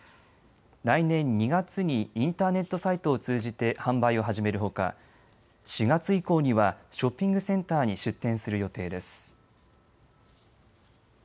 来年２月にインターネットサイトを通じて販売を始めるほか４月以降にはショッピングセンターに出店する予定です。